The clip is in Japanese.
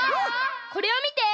これをみて。